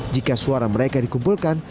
jika suara mereka dikumpulkan